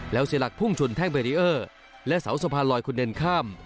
แล้วเสียหลักพุ่งชนแท่งเบรีเออร์และเสาสะพานลอยคนเดินข้าม